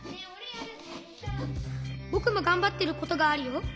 ぼくもがんばってることがあるよ。